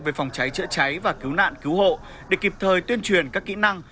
về phòng cháy chữa cháy và cứu nạn cứu hộ để kịp thời tuyên truyền các kỹ năng